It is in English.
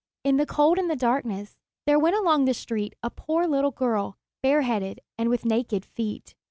In the cold and the darkness, there went along the street a poor little girl, bareheaded and with naked feet.